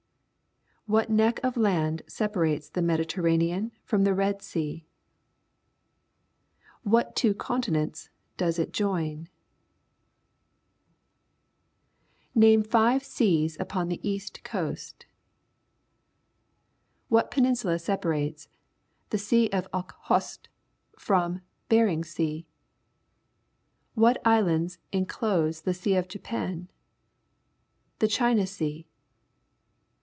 What neck of land separates the Mediterranean from the Red Sea ? What two continents does it join ? Name five seas U])on tlie east coast. What peninsula separates the Sea of Okhotsk from Bering SeaP What islands almost inclose the Sen of Japan? Ihe China Sea?